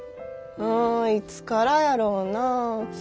うんいつからやろうな？